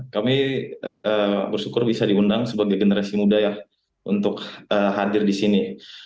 kami bersyukur bisa diundang sebagai generasi muda ya untuk hadir di sini